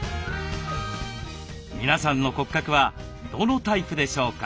皆さんの骨格はどのタイプでしょうか？